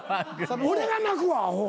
俺が泣くわアホ。